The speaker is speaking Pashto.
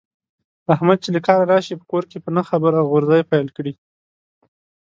احمد چې له کاره راشي، په کور کې په نه خبره غورزی پیل کړي.